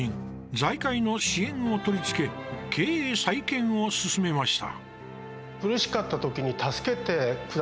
財界の支援を取り付け経営再建を進めました。